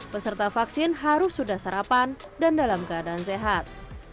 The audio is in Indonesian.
peserta vaksin harus sudah sarapan dan dalam keadaan sehat